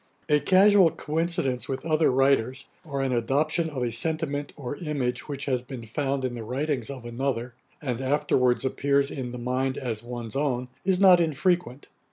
A casual coincidence with other writers, or an adoption of a sentiment or image which has been found in the writings of another, and afterwards appears in the mind as one's own, is not unfrequent.